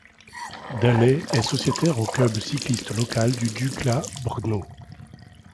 Daler est sociétaire au club cycliste local du Dukla Brno.